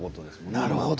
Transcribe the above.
なるほど。